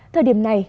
thời điểm này